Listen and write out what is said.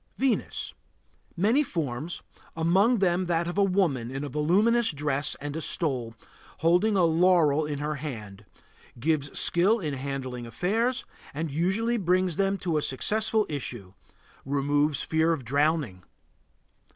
VENUS. Many forms, among them that of a woman with a voluminous dress and a stole, holding a laurel in her hand. Gives skill in handling affairs and usually brings them to a successful issue; removes the fear of drowning.